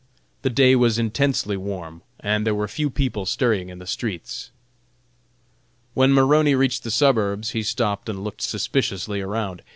The day was intensely warm, and there were few people stirring in the streets. When Maroney reached the suburbs he stopped and looked suspiciously around.